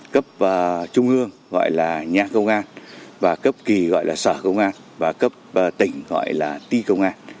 cấp trung ương gọi là nhà công an và cấp kỳ gọi là sở công an và cấp tỉnh gọi là ti công an